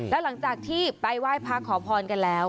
แล้วหลังจากที่ไปไหว้พระขอพรกันแล้ว